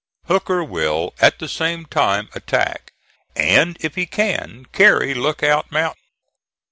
Hooker will at the same time attack, and, if he can, carry Lookout Mountain.